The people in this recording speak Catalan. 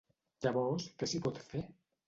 Llavors, què s’hi pot fer?